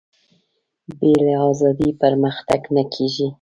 بې له ازادي پرمختګ نه کېږي.